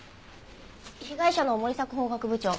被害者の森迫法学部長